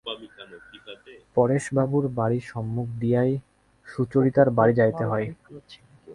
পরেশবাবুর বাড়ির সম্মুখ দিয়াই সুচরিতার বাড়ি যাইতে হয়।